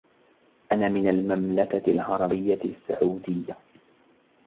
أنا من المملكة العربية السعودية.